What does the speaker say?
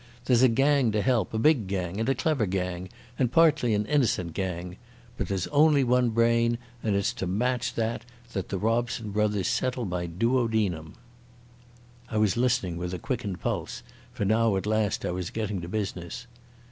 There's a gang to help, a big gang, and a clever gang, and partly an innocent gang. But there's only one brain, and it's to match that that the Robson Brothers settled my duodenum." I was listening with a quickened pulse, for now at last I was getting to business.